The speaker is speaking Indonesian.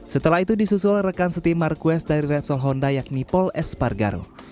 setelah itu disusul rekan setiap mark marquez dari repsol honda yakni paul espargaro